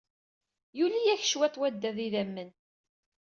Yuli-ak cwiṭ wadad n yidammen.